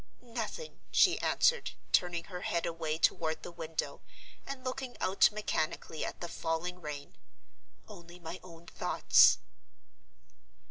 "Nothing," she answered, turning her head away toward the window, and looking out mechanically at the falling rain. "Only my own thoughts."